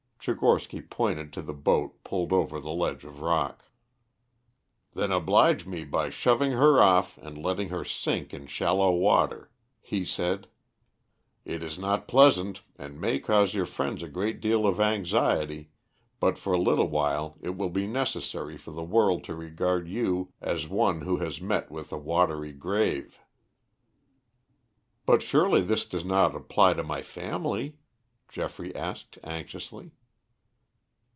Tchigorsky pointed to the boat pulled over the ledge of rock. "Then oblige me by shoving her off and letting her sink in shallow water," he said. "It is not pleasant and may cause your friends a great deal of anxiety, but for a little while it will be necessary for the world to regard you as one who has met with a watery grave." "But surely this does not apply to my family?" Geoffrey asked anxiously.